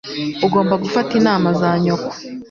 Ugomba gufata inama za nyoko.